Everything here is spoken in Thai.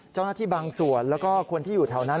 เจ้าหน้าที่บางส่วนแล้วก็คนที่อยู่แถวนั้น